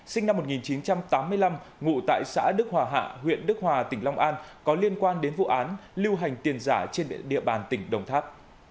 sinh năm một nghìn chín trăm tám mươi năm ngụ tại xã đức hòa hạ huyện đức hòa tỉnh long an có liên quan đến vụ án lưu hành tiền giả trên địa bàn tỉnh đồng tháp